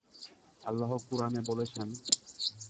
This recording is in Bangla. আল্লাহ কুরআনে বলেছেন-